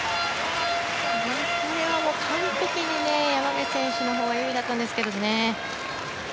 これは完璧に山口選手のほうが有利だったんですけどね。